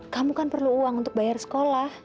kamu kan perlu uang untuk bayar sekolah